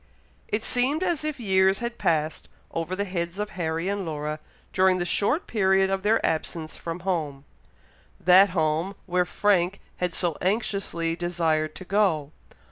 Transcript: It seemed as if years had passed over the heads of Harry and Laura during the short period of their absence from home that home where Frank had so anxiously desired to go!